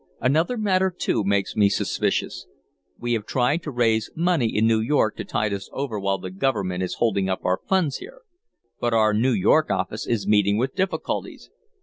"Another matter, too, makes me suspicious. We have tried to raise money in New York to tide us over while the government is holding up our funds here. But our New York office is meeting with difficulties.